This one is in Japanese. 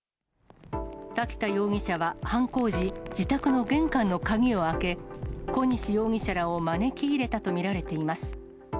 滝田容疑者は犯行時、自宅の玄関の鍵を開け、小西容疑者らを招き入れたと見られています。